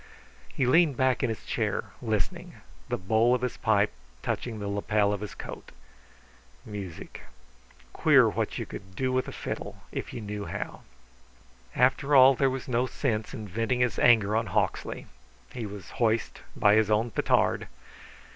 He leaned back in his chair, listening, the bowl of his pipe touching the lapel of his coat. Music. Queer, what you could do with a fiddle if you knew how. After all there was no sense in venting his anger on Hawksley. He was hoist by his own petard.